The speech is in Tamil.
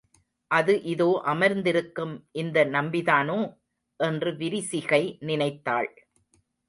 அது இதோ அமர்ந்திருக்கும் இந்த நம்பிதானோ? என்று விரிசிகை நினைத்தாள்.